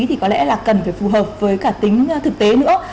thì có lẽ là cần phải phù hợp với cả tính thực tế nữa